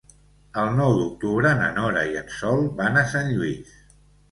El nou d'octubre na Nora i en Sol van a Sant Lluís.